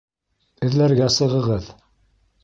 Эҙләргә сығығыҙ!